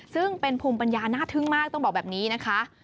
ซึ่งเป็นภูมิปัญญาน่าทึ่งมากต้องบอกแบบนี้นะคะ